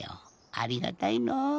ありがたいのう。